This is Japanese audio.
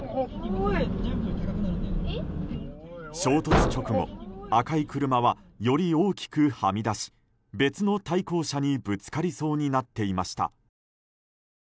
衝突直後、赤い車はより大きくはみ出し別の対向車にぶつかりそうになっていました。